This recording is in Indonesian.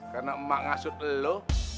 karena emak ngasut lu